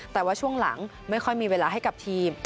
แต่ว่าช่วงหลังไม่ค่อยมีเวลาให้กับทีม